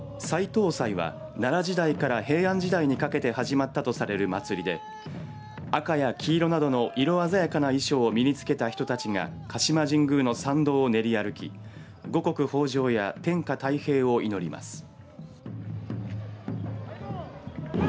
祭頭祭は奈良時代から平安時代にかけて始まったとされる祭りで赤や黄色などの色鮮やかな衣装を身に着けた人たちが鹿島神宮の参道を練り歩き五穀豊じょうや天下太平を祈ります。